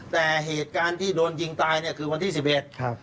แต่เหตุการณ์ที่โดนยิงตายเนี่ยคือวันที่สิบเอ็ดครับ